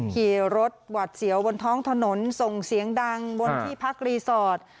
ขี่รถหวัดเสียวบนท้องถนนส่งเสียงดังบนที่พักรีสอร์ท